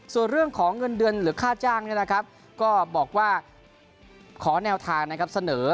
ส่วนเรื่องของเงินเดือนหรือค่าจ้างก็บอกว่าขอแนวทางนะครับเสนอ